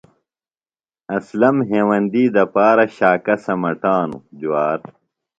اسلم ہیوندی دپارہ شاکہ سمٹانو۔ جۡوار